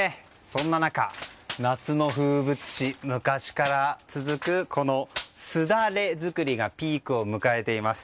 そんな中、夏の風物詩昔から続く、すだれ作りがピークを迎えています。